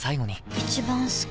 一番好き